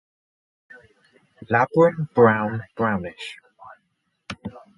Labrum brown brownish.